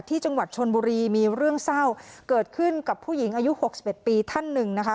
ที่จังหวัดชนบุรีมีเรื่องเศร้าเกิดขึ้นกับผู้หญิงอายุ๖๑ปีท่านหนึ่งนะคะ